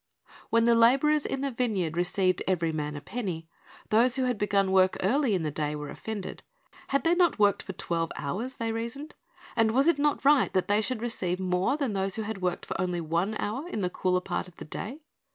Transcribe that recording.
When the laborers in the vineyard received "every man a penny," those who had begun work early in the day were offended. Had they not worked for twelve hours? they reasoned, and was it not right that they should receive more than those who had worked for only one hour in the cooler part of the day?